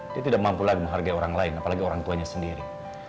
dia tidak mampu lagi menghargai orang lain apalagi orang tuanya sendiri